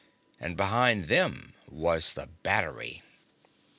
And behind them was the battery.